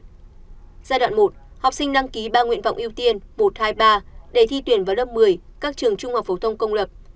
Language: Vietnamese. giai đoạn một học sinh đăng ký ba nguyện vọng ưu tiên một trăm hai mươi ba để thi tuyển vào lớp một mươi các trường trung học phổ thông công lập